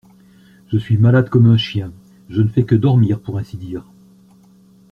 Je suis malade comme un chien, je ne fais que dormir pour ainsi dire.